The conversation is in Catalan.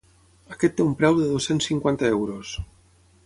Aquest té un preu de dos-cents cinquanta euros.